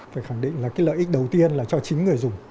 phải khẳng định là cái lợi ích đầu tiên là cho chính người dùng